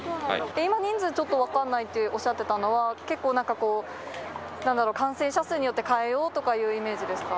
今、人数ちょっと分からないっておっしゃってたのは、結構、なんかなんだろう、感染者数によって変えようとかいうイメージですか。